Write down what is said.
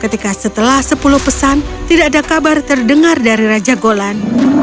ketika setelah sepuluh pesan tidak ada kabar terdengar dari raja golan